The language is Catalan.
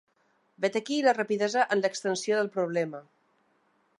Vet aquí la rapidesa en l’extensió del problema.